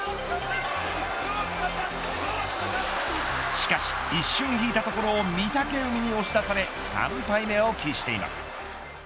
しかし、一瞬引いたところを御嶽海に押し出され３敗目を喫しています。